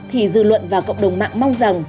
thì dư luận và cộng đồng mạng mong rằng